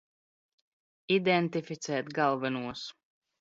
Identific?t galvenos